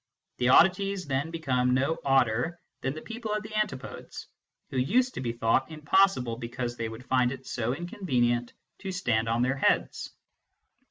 The oddities then become no odder than the people at the antipodes, who used to be thought impossible because they would find it so inconvenient to stand on their heads.